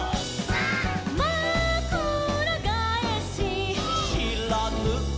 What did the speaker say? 「まくらがえし」「」「しらぬい」「」